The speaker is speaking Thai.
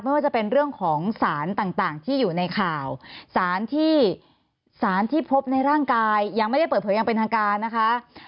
ไม่ว่าจะเป็นเรื่องของสารต่างที่อยู่ในข่าวสารที่สารที่พบในร่างกายยังไม่ได้เปิดเผยยังเป็นทางการนะคะ